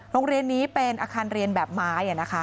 โรงเรียนนี้เป็นอาคารเรียนแบบไม้